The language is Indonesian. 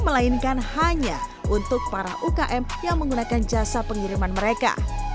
melainkan hanya untuk para ukm yang menggunakan jasa pengiriman mereka